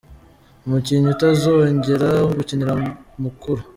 Umukinnyi utazongera gukinira Mukura